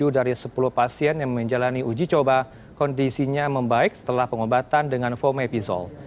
tujuh dari sepuluh pasien yang menjalani uji coba kondisinya membaik setelah pengobatan dengan fomepizol